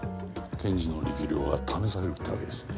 検事の力量が試されるってわけですね。